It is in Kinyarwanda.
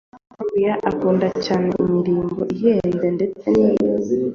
Gloria akunda cyane imirimbo ihenze ndetse n